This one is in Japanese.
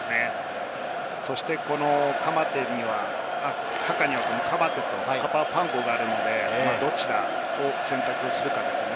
そしてカ・マテには、ハカにはカ・マテとカパ・オ・パンゴがあるので、どちらを選択するかですね。